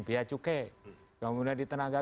biaya cukai kemudian di tenaga